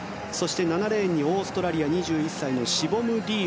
７レーンにオーストラリア、２１歳のシ・ボム・リー